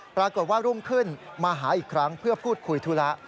ปรากฏว่ารุ่งขึ้นมาหาอีกครั้งเพื่อพูดคุยธุระ